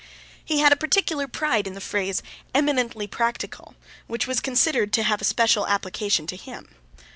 He had a particular pride in the phrase eminently practical, which was considered to have a special application to him.